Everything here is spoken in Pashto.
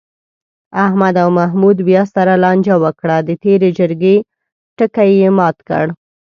احمد او محمود بیا سره لانجه وکړه، د تېرې جرگې ټکی یې مات کړ.